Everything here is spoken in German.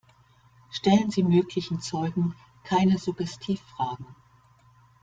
Stellen Sie möglichen Zeugen keine Suggestivfragen.